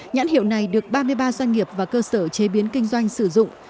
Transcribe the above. nhãn hiệu này được ba mươi ba doanh nghiệp và cơ sở chế biến kinh doanh sử dụng